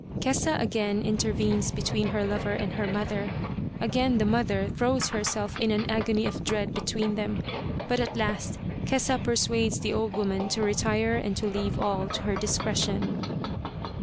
Kesa again intervenes between her lover and her mother ; again the mother throws herself in an agony of dread between them ; but at last Kesa persuades the old woman to retire and to leave all to her dis cretion.